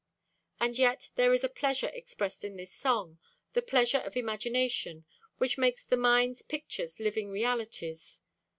And yet there is a pleasure expressed in this song, the pleasure of imagination, which makes the mind's pictures living realities.